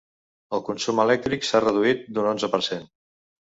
El consum elèctric s’ha reduït d’un onze per cent.